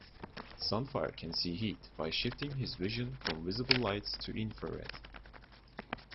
Sunfire can see heat, by shifting his vision from visible light to infrared.